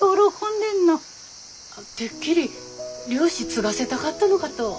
てっきり漁師継がせたかったのかと。